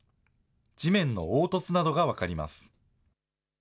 地面の凹凸などが分かります。